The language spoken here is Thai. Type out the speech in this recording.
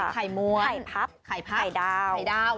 ไข่มวลไข่พับไข่ดาว